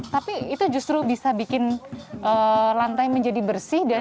tapi itu justru bisa bikin lantai menjadi bersih